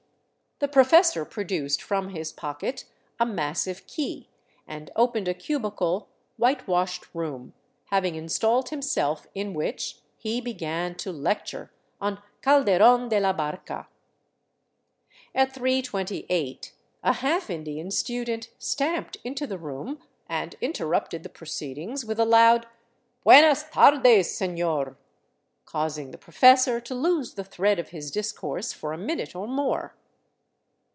The professor produced from his pocket a massive key and opened a cubical, white washed room, having installed himself in which, he began to " lecture " on Calderon de la Barca. At 3 128 a half Indian student stamped into the room and interrupted the proceedings with a loud " Buenas tardes, senor,'' causing the professor to lose the thread of his discourse for a minute or more.